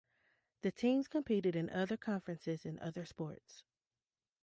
The teams competed in other conferences in other sports.